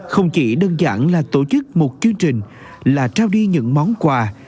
không chỉ đơn giản là tổ chức một chương trình là trao đi những món quà